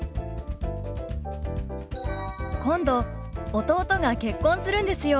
今度弟が結婚するんですよ。